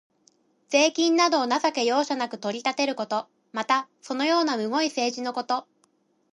税金などを情け容赦なく取り立てること。また、そのようなむごい政治のこと。